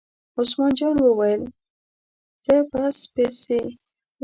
عثمان جان وویل: د څه پس پسي.